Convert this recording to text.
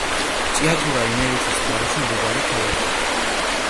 ჭიათურა იმერეთის მხარეში მდებარე ქალაქია.